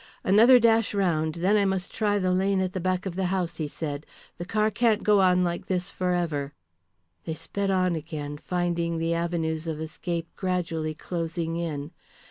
"Another dash round, then I must try the lane at the back of the house," he said. "The car can't go on like this for ever." They sped on again, finding the avenues of escape gradually closing in.